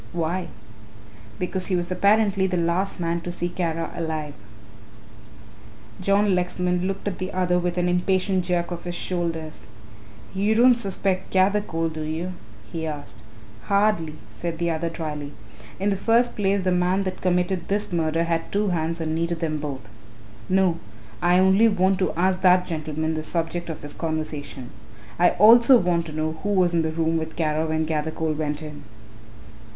"Why?" "Because he was apparently the last man to see Kara alive." John Lexman looked at the other with an impatient jerk of his shoulders. "You don't suspect Gathercole, do you?" he asked. "Hardly," said the other drily; "in the first place the man that committed this murder had two hands and needed them both. No, I only want to ask that gentleman the subject of his conversation. I also want to know who was in the room with Kara when Gathercole went in."